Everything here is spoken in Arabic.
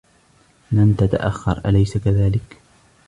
لن تتأخر ، أليس كذلك ؟